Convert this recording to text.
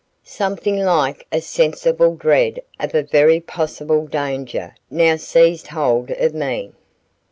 Something like a sensible dread of a very possible danger now seized hold of me.